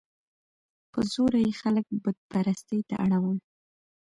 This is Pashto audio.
په زوره یې خلک بت پرستۍ ته اړول.